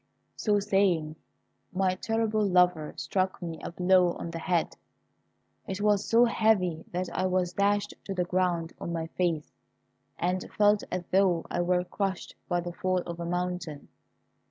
So saying, my terrible lover struck me a blow on the head. It was so heavy that I was dashed to the ground on my face, and felt as though I were crushed by the fall of a mountain.